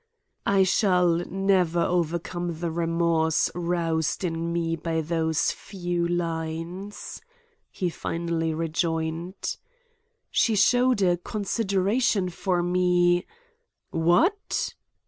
"I shall never overcome the remorse roused in me by those few lines," he finally rejoined. "She showed a consideration for me—" "What!"